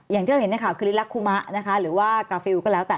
อย่างที่เราเห็นในข่าวคือลิลักคุมะนะคะหรือว่ากาฟิลก็แล้วแต่